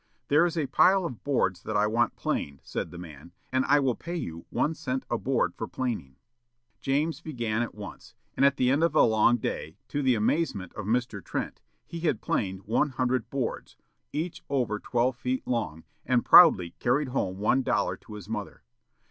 "There is a pile of boards that I want planed," said the man, "and I will pay you one cent a board for planing." James began at once, and at the end of a long day, to the amazement of Mr. Trent, he had planed one hundred boards, each over twelve feet long, and proudly carried home one dollar to his mother.